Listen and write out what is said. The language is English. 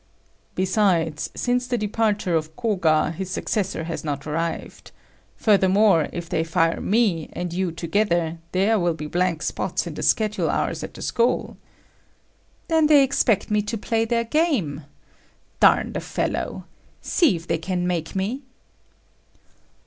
"Besides, since the departure of Koga, his successor has not arrived. Furthermore, if they fire me and you together, there will be blank spots in the schedule hours at the school." "Then they expect me to play their game. Darn the fellow! See if they can make me."